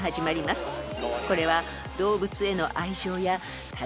［これは］